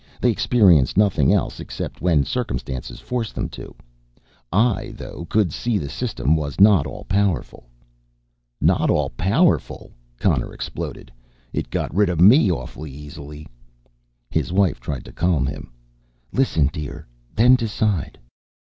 They experience nothing else except when circumstances force them to. I, though, could see the System was not all powerful." "Not all powerful!" Connor exploded. "It got rid of me awfully easily." His wife tried to calm him. "Listen, dear, then decide."